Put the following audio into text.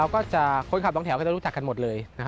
คุ้นขับทั้งแถวจะรู้จักกันหมดเลย